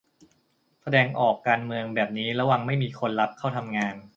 แสดงออกการเมืองแบบนี้ระวังไม่มีคนรับเข้าทำงาน